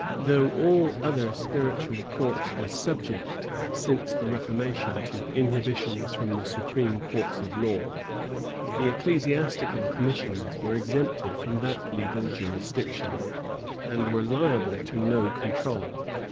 Though all other spiritual courts were subject, since the reformation, to inhibitions from the supreme courts of law, the ecclesiastical commissioners were exempted from that legal jurisdiction, and were liable to no control.